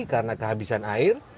karena kehabisan air